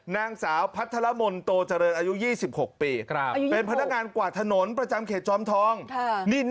นางสาวพัฒนามณโตเจริญอายุ๒๖ปี